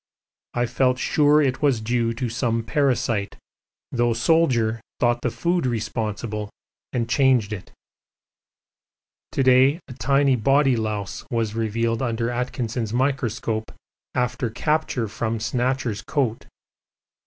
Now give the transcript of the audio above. I felt sure it was due to some parasite, though the Soldier thought the food responsible and changed it. To day a tiny body louse was revealed under Atkinson's microscope after capture from 'Snatcher's' coat.